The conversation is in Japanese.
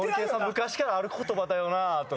「昔からある言葉だよな」とか。